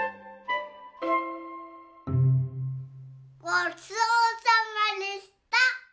ごちそうさまでした！